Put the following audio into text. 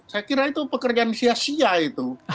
saya kira itu pekerjaan sia sia itu